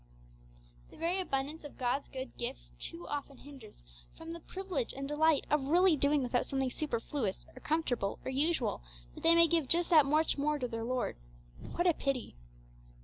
The very abundance of God's good gifts too often hinders from the privilege and delight of really doing without something superfluous or comfortable or usual, that they may give just that much more to their Lord. What a pity!